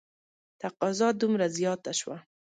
تقاضا دومره زیاته شوه.